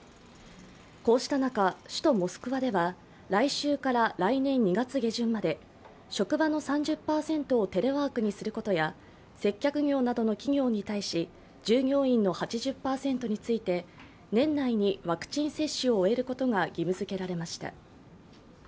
こうした中、首都モスクワでは来週から来年２月下旬まで職場の３０％をテレワークにすることや接客業の企業に対し従業員の８０％について年内にワクチン接種を終えることが義務づけられました。